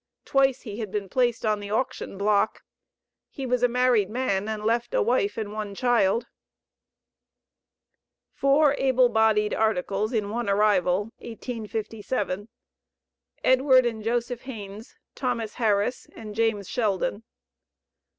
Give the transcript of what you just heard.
Twice he had been placed on the auction block. He was a married man and left a wife and one child. FOUR ABLE BODIED "ARTICLES" IN ONE ARRIVAL, 1857. EDWARD, AND JOSEPH HAINES, THOMAS HARRIS, AND JAMES SHELDON.